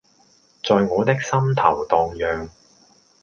在我的心頭蕩漾